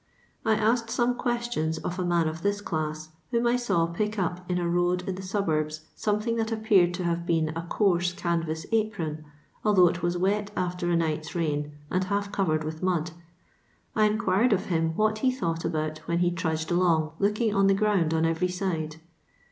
I asked some questions of a man of tliis class whom I saw pick up in a road in the suburbs something that appeared to have been a coarse canvas apron, although it was wet afler a night's rain and half covered with mud. I inquired of him what he thought about when he trudged along looking on the ground on every side.